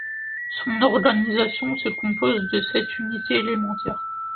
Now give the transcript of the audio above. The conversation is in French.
Son organisation se compose de sept unités élémentaires.